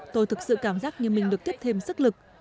tôi thực sự cảm giác như mình được tiếp thêm sức lực